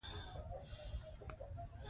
هېڅکله وخت مه ضایع کوئ.